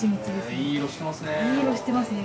いい色してますね。